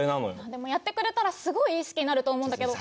でもやってくれたらすごいいい式になると思うんだけど。